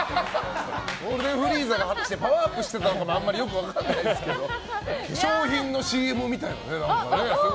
ゴールデンフリーザがパワーアップしてたか果たしてあまりよく分からないですけど化粧品のＣＭみたいなね。